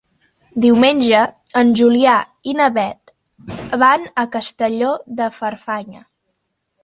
Diumenge en Julià i na Beth van a Castelló de Farfanya.